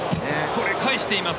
これ、返しています。